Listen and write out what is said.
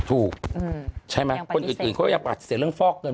ถูกใช่ไหมคนอื่นเขายังอัดเสียเรื่องฟอกเงิน